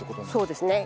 そうですね。